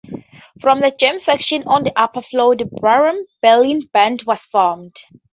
From the jam sessions on the upper floor, "The Byron Berline Band" was formed.